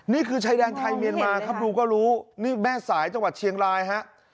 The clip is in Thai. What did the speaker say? นี่คือชายแดนไทยเมียนมาครับดูก็รู้นี่แม่สายจังหวัดเชียงรายฮะ